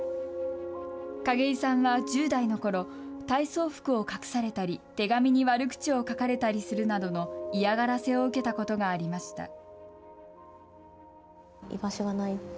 景井さんは１０代のころ、体操服を隠されたり、手紙に悪口を書かれたりするなどの嫌がらせを受けたことがありました。